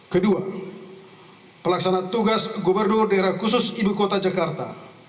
kedua pelaksana tugas gubernur daerah khusus ibu kota jakarta